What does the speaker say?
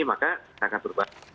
maka akan berubah